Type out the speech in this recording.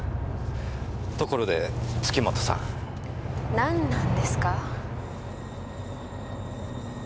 ところで月本さん。何なんですか？